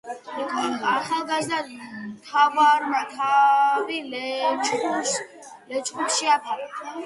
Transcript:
ახალგაზრდა მთავარმა თავი ლეჩხუმს შეაფარა.